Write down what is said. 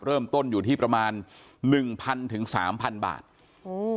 เริ่มต้นอยู่ที่ประมาณหนึ่งพันถึงสามพันบาทโอ้